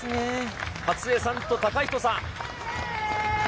初江さんと孝人さん。